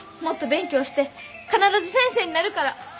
もっと勉強して必ず先生になるから。